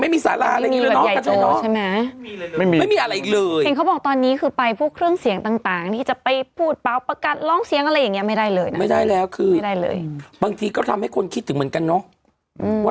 บางทีต้องเข้าเอาจากใจน่ะอืมอันนี้จากใจตัวเองก็นับถือไอ้ไข่น่ะ